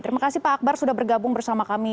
terima kasih pak akbar sudah bergabung bersama kami